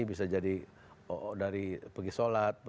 bisa dari pergi sholat